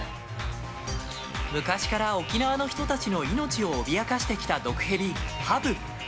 昔から沖縄の人たちの命を脅かしてきたヘビ、ハブ。